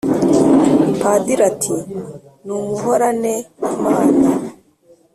padiri, ati "numuhorane imana!"